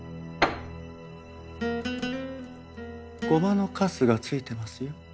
胡麻のカスがついてますよ。